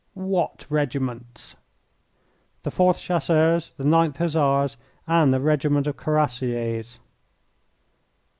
"What regiments?" "The 4th Chasseurs, the 9th Hussars, and a regiment of Cuirassiers."